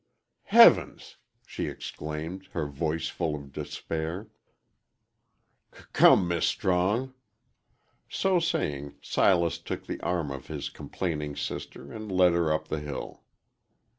"Heavens!" she exclaimed, her voice full of despair. "C come, Mis' Strong." So saying, Silas took the arm of his complaining sister and led her up the hill.